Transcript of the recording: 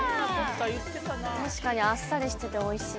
確かにあっさりしてておいしい。